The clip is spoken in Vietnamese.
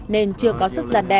nên chưa có sức giàn đè